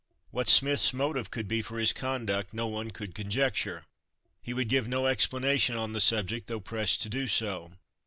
What Smith's motive could be for his conduct no one could conjecture. He would give no explanation on the subject though pressed to do so.